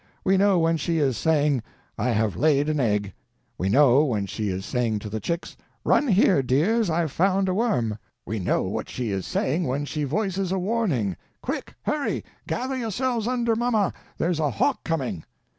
We know when she is saying, "I have laid an egg"; we know when she is saying to the chicks, "Run here, dears, I've found a worm"; we know what she is saying when she voices a warning: "Quick! hurry! gather yourselves under mamma, there's a hawk coming!"